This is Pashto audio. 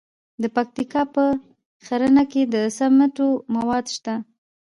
د پکتیکا په ښرنه کې د سمنټو مواد شته.